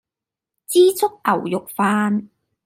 枝竹牛肉飯